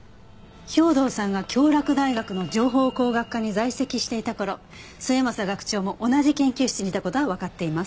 兵働さんが京洛大学の情報工学科に在籍していた頃末政学長も同じ研究室にいた事はわかっています。